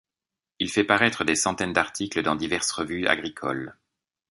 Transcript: Il fait paraître des centaines d’articles dans diverses revues agricoles.